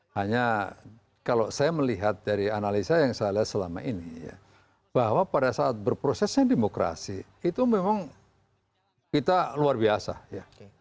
hanya kalau saya melihat dari analisa yang saya lihat selama ini ya bahwa pada saat berprosesnya demokrasi itu memang kita luar biasa ya